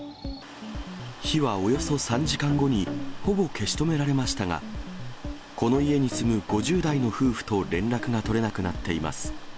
火はおよそ３時間後にほぼ消し止められましたが、この家に住む５０代の夫婦と連絡が取れなくなっています。